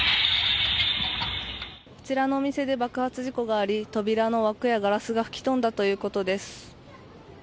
こちらの店で爆発事故があり扉の枠やガラスが吹き飛んだということです。